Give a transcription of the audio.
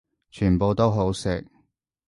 全部都好食